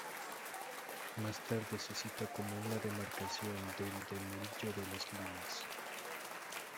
Más tarde se cita como una demarcación del de Murillo de las Limas.